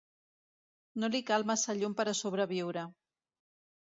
No li cal massa llum per a sobreviure.